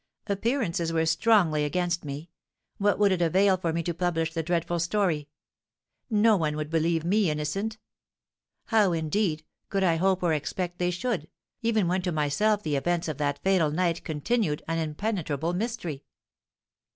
Appearances were strongly against me; what would it avail for me to publish the dreadful story? No one would believe me innocent. How, indeed, could I hope or expect they should, when even to myself the events of that fatal night continued an impenetrable mystery?"